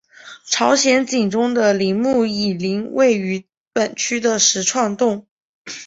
朝鲜景宗的陵墓懿陵位于本区的石串洞。